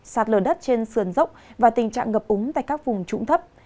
sạt lở đất trên sườn dốc và tình trạng ngập úng tại các vùng trũng thấp